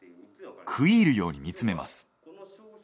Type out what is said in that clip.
食い入るように見つめます。